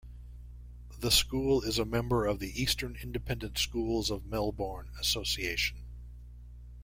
The school is a member of the Eastern Independent Schools of Melbourne association.